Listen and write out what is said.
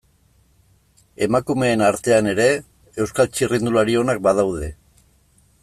Emakumeen artean ere, Euskal txirrindulari onak badaude.